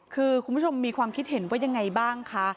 คือคุณผู้ชมมีความคิดเห็นว่ายังไงบ้างคะ